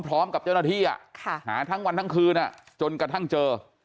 พร้อมกับเจ้าหน้าที่หาทั้งวันทั้งคืนจนกระทั่งเจอ